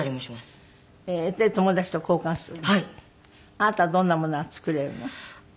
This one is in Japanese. あなたはどんなものが作れるの？